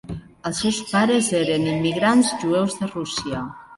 Els seus pares eren immigrants jueus de Rússia.